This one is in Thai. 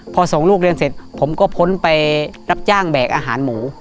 พอส่งลูกเรียนเสร็จผมก็พ้นไปรับจ้างแบกอาหารหมู